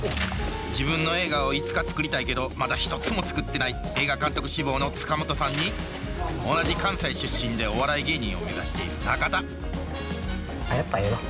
自分の映画をいつか作りたいけどまだ一つも作ってない映画監督志望の塚本さんに同じ関西出身でお笑い芸人を目指している中田あっやっぱええわ。